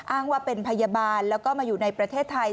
อ้างว่าเป็นพยาบาลแล้วก็มาอยู่ในประเทศไทย